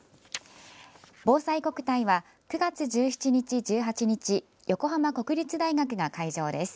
「ぼうさいこくたい」は９月１７日、１８日横浜国立大学が会場です。